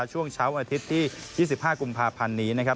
ช่วงเช้าอาทิตย์ที่๒๕กุมภาพันธ์นี้นะครับ